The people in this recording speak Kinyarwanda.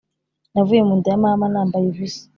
Navuye mu nda ya mama nambaye ubusa